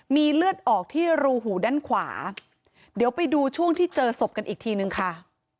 มีเลือดออกที่รูหูด้านขวาเดี๋ยวไปดูช่วงที่เจอศพกันอีกทีนึงค่ะ